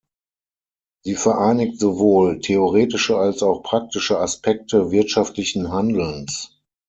Sie vereinigt sowohl theoretische als auch praktische Aspekte wirtschaftlichen Handelns.